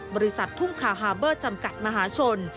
บริษัททุ่งคาฮาเบอร์จำกัดมหาชน